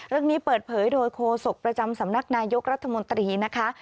เรื่องนี้เปิดเผยโดยโคศกประจำสำนักนายกรัฐมนตรีนะคะ